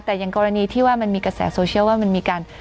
แต่อย่างกรณีที่ว่ามันมีกระแสโซเชียลว่ามันมีการ